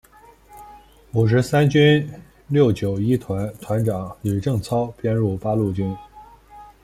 五十三军六九一团团长吕正操编入八路军。